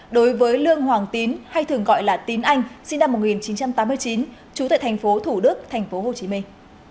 đối với lương hoàng tín hay thường gọi là tín anh sinh năm một nghìn chín trăm tám mươi chín trú tại thành phố thủ đức thành phố hồ chí minh